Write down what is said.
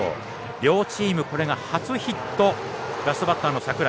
両チーム、これが初ヒットラストバッターの櫻井。